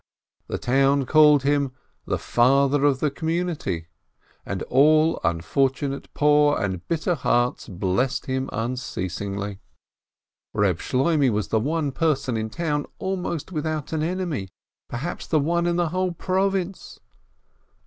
The town called him the "father of the com munity," and all unfortunate, poor, and bitter hearts blessed him unceasingly. Reb Shloimeh was the one person in the town almost without an enemy, perhaps the one in the whole prov ince.